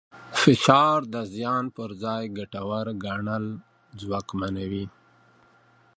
فشار د زیان پر ځای ګټور ګڼل ځواکمنوي.